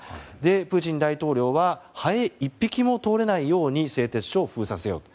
プーチン大統領はハエ１匹も通れないように製鉄所を封鎖せよと。